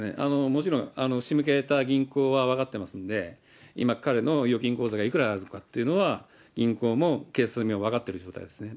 もちろん仕向けた銀行は分かってますんで、今彼の預金口座がいくらあるのかっていうのは、銀行も警察にも分かってる状態ですね。